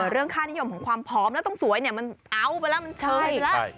เรื่องค่านิยมของความพร้อมแล้วต้องสวยเนี่ยมันเอาไปแล้วมันเชยไปแล้ว